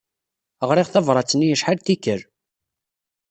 Ɣriɣ tabṛat-nni acḥal n tikkal.